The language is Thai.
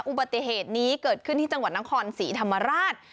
อุบัติเหตุนี้เกิดขึ้นที่จังหวัดนครศรีธรรมราช